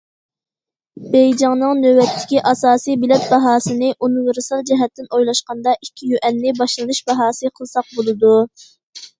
بېيجىڭنىڭ نۆۋەتتىكى ئاساسىي بېلەت باھاسىنى ئۇنىۋېرسال جەھەتتىن ئويلاشقاندا، ئىككى يۈەننى باشلىنىش باھاسى قىلساق بولىدۇ.